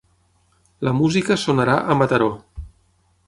La música sonarà a Mataró